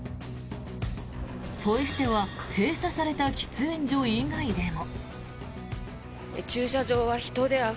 ポイ捨ては閉鎖された喫煙所以外でも。